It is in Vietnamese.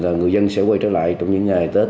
người dân sẽ quay trở lại trong những ngày tết